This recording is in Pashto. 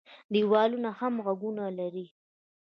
ـ دېوالونو هم غوږونه لري.